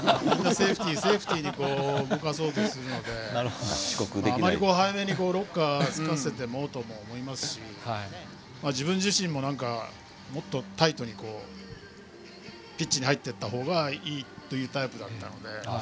セーフティーに動かそうとするのであまり早めにロッカーにつかせてもと思うし自分自身も、もっとタイトにピッチに入っていった方がいいというタイプだったので。